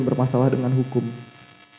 bermasalah dengan hukum saya